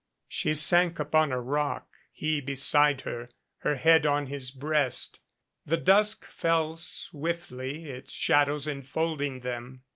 She sank upon a rock, he beside her, her head on his breast. The dusk fell swiftly, its shadows enfolding them.